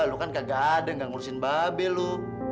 lu kan gak ada gak ngurusin babe lu